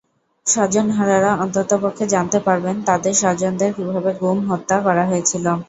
স্বজনহারারা অন্ততপক্ষে জানতে পারবেন, তাদের স্বজনদের কীভাবে গুম, হত্যা করা হয়েছিল।